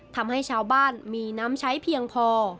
ทำให้ชาวบ้านมีน้ำใช้เพียงพอ